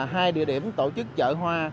hai địa điểm tổ chức chợ hoa